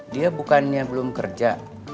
dia bukannya belum kerja